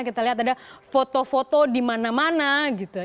kita lihat ada foto foto di mana mana gitu